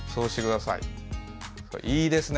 いいですね。